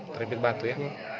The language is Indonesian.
terhimpit batu ya